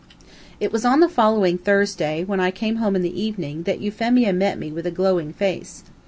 It was on the following Thursday, when I came home in the evening, that Euphemia met me with a glowing face.